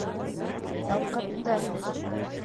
Ялҡытты!